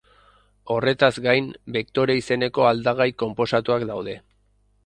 Horretaz gain, bektore izeneko aldagai konposatuak daude.